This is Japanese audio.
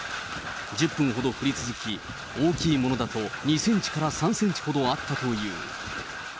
１０分ほど降り続き、大きいものだと２センチから３センチほどあったという。